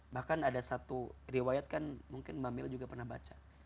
bahkan ada satu riwayat kan mungkin mamil juga pernah baca